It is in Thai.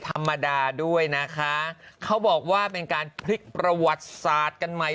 ธรรมดาด้วยนะคะเขาบอกว่าเป็นการพลิกประวัติศาสตร์กันใหม่